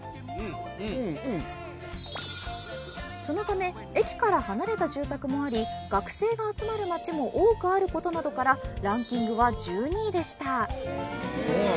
そのため駅から離れた住宅もあり学生が集まる町も多くあることなどからランキングは１２位でした。